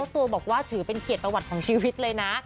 ตัวบอกว่าถือเป็นเกียรติประวัติของชีวิตเลยนะ